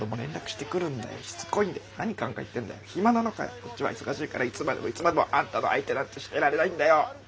こっちは忙しいからいつまでもいつまでもあんたの相手なんてしてられないんだよ！